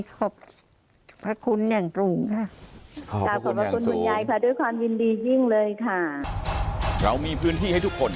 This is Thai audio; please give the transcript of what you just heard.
ขอบคุณคุณยายค่ะด้วยความยินดียิ่งเลยค่ะเรามีพื้นที่ให้ทุกคน